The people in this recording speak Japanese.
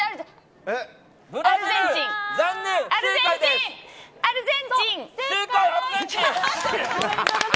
アルゼンチン！